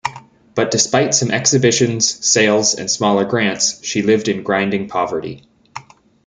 But despite some exhibitions, sales, and smaller grants, she lived in grinding poverty.